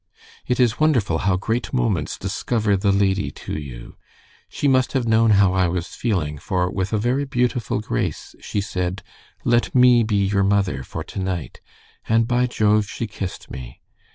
It is wonderful how great moments discover the lady to you. She must have known how I was feeling, for with a very beautiful grace, she said, 'Let me be your mother for to night,' and by Jove, she kissed me.